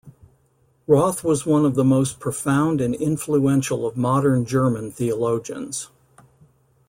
Rothe was one of the most profound and influential of modern German theologians.